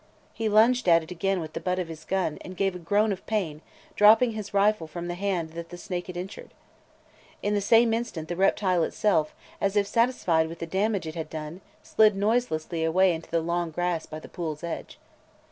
He lunged at it again with the butt of his gun and gave a groan of pain, dropping his rifle from the hand that the snake had injured. In the same instant, the reptile itself, as if satisfied with the damage it had done, slid noiselessly away into the long grass by the pool's edge.